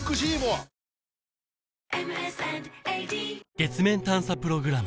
月面探査プログラム